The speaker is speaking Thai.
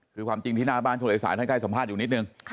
คือความจริงที่หน้าบ้านชุมละอีสายในใกล้สัมภาษณ์อยู่นิดหนึ่ง